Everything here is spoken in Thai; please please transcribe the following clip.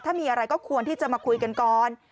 ถ้ามีอะไรก็ควรที่จะมาคุยกันก่อน